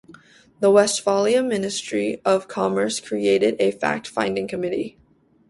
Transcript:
The Westphalia ministry of commerce created a fact finding committee.